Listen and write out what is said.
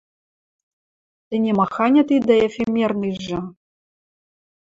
— Ӹне маханьы тидӹ «эфемерныйжы»?